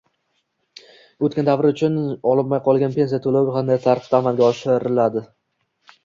O‘tgan davr uchun olinmay qolgan pensiya to‘lovi qanday tartibda amalga oshiriladi?